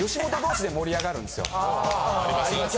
あ。あります。